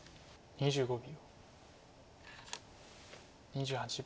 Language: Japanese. ２５秒。